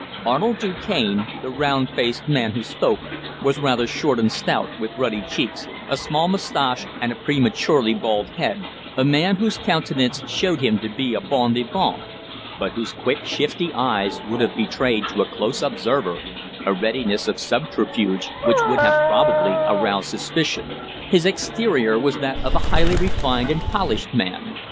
Arnold Du Cane, the round faced man who spoke, was rather short and stout, with ruddy cheeks, a small moustache and a prematurely bald head a man whose countenance showed him to be a bon vivant, but whose quick, shifty eyes would have betrayed to a close observer a readiness of subterfuge which would have probably aroused suspicion. His exterior was that of a highly refined and polished man.